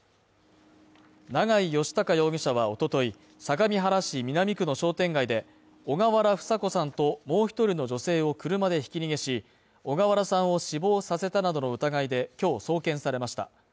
長井義孝容疑者はおととい、相模原市南区の商店街で小河原房子さんともう１人の女性を車でひき逃げし、小河原さんを死亡させたなどの疑いで今日送検されました。